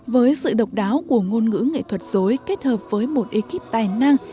với sự độc đáo của ngôn ngữ nghệ thuật dối kết hợp với một ekip tài năng